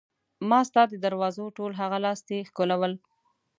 ما ستا د دروازو ټول هغه لاستي ښکلول.